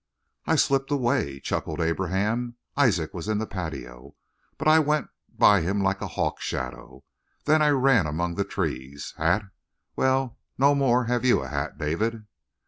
"I slipped away," chuckled Abraham. "Isaac was in the patio, but I went by him like a hawk shadow. Then I ran among the trees. Hat? Well, no more have you a hat, David."